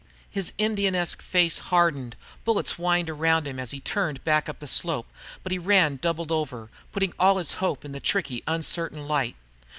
His Indianesque face hardened. Bullets whined round him as he turned back up the slope, but he ran doubled over, putting all his hope in the tricky, uncertain light.